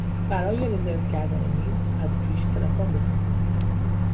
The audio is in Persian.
برای رزرو کردن میز از پیش تلفن بزنید.